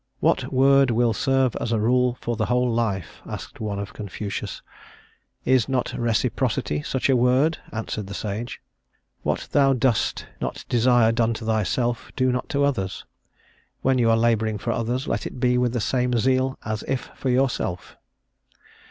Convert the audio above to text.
"What word will serve as a rule for the whole life?" asked one of Confucius. "Is not reciprocity such a word?" answered the sage. "What thou dost not desire done to thyself, do not to others. When you are labouring for others, let it be with the same zeal as if for yourself."